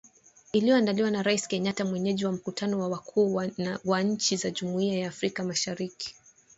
iliyoandaliwa na Rais Kenyatta mwenyeji wa mkutano wa wakuu wa nchi za jumuia ya Afrika mashariki